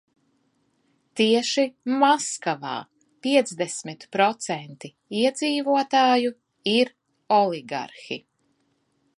Tieši Maskavā piecdesmit procenti iedzīvotāju ir oligarhi.